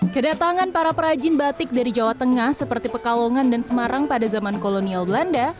kedatangan para perajin batik dari jawa tengah seperti pekalongan dan semarang pada zaman kolonial belanda